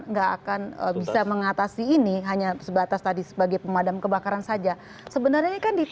nggak akan bisa mengatasi ini hanya sebatas tadi sebagai pemadam kebakaran saja sebenarnya kan di